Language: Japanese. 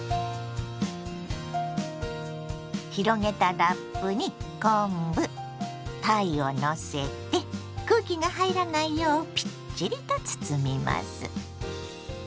広げたラップに昆布たいをのせて空気が入らないようぴっちりと包みます。